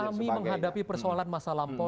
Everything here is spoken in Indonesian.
kami menghadapi persoalan masa lampau